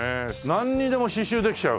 なんにでも刺繍できちゃう？